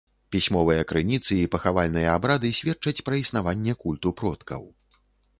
Пісьмовыя крыніцы і пахавальныя абрады сведчаць пра існаванне культу продкаў.